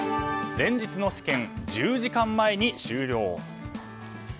連日の試験、１０時間前に終了。